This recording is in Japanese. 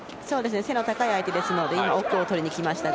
背の高い相手ですので今、奥を取りに来ましたが。